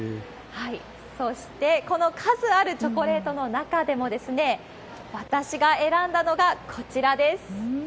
そして、この数あるチョコレートの中でも、私が選んだのがこちらです。